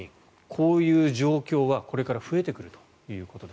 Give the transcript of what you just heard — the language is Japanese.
こういう状況はこれから増えてくると。